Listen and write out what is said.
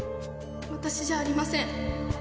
私じゃありません。